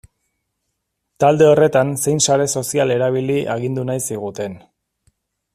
Talde horretan zein sare sozial erabili agindu nahi ziguten.